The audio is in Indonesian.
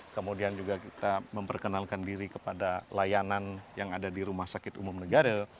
kemudian juga kita memperkenalkan diri kepada layanan yang ada di rumah sakit umum negara